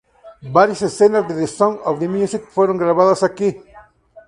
Varias escenas de "The Sound of Music" fueron grabadas aquí.